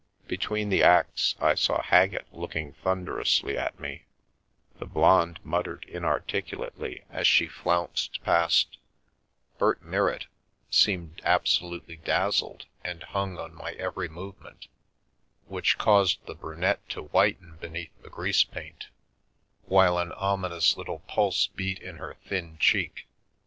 Between the acts I saw Haggett looking thunder ously at me; the Blonde muttered inarticulately as she The Milky Way flounced past; Bert Mirrit seemed absolutely dazzled, and hung on my every movement, which caused the Brunette to whiten beneath the greasepaint, while an ominous little pulse beat in her thin cheek.